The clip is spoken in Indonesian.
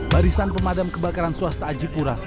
barisan pemadam kebakaran swasta ajipura